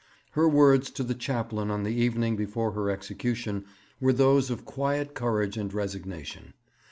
Her words to the chaplain on the evening before her execution were those of quiet courage and resignation.